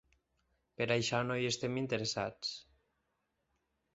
Per això no hi estem interessats.